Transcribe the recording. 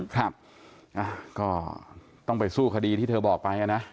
ครับก็ต้องไปสู้คดีที่เธอบอกไปนะ